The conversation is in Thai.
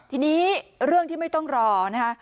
ทีนี้เรื่องที่ไม่ต้องรอนะคะ